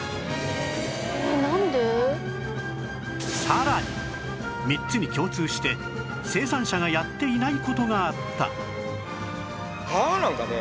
さらに３つに共通して生産者がやっていない事があった